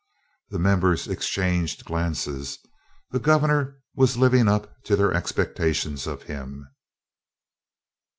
The members exchanged glances the Gov'nor was living up to their expectations of him.